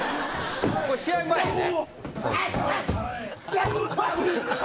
これ試合前ね。